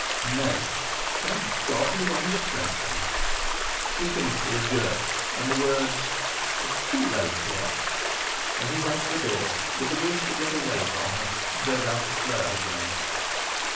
No, thank God, he wasn't a Frenchman! He finished with a jerk, and the words: "It's too low here." And he went to the door, with the wish to get away from her and go down to Fleur again.